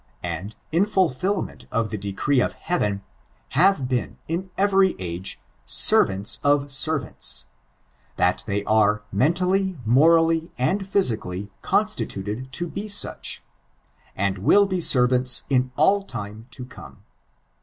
and, in fulflllmeot of the decree of Heaven, have been, in every age, servants of servants ; that they are, menially, morally, and phytieally constituted to be such, and will be servants in all time to come.